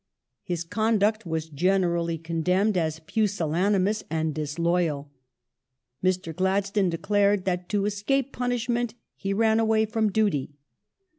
^ His conduct was generally condemned as pusillanimous and disloyal. Mr. Gladstone declared that " to escape punishment he ran away from duty